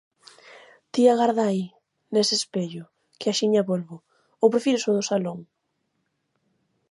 ti agarda aí, nese espello, que axiña volvo, ¿ou prefires o do salón?...